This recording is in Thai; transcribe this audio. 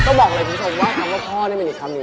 รอที่จะมาอัปเดตผลงานแล้วแล้วก็เข้าไปโด่งดังไกลถึงประเทศจีน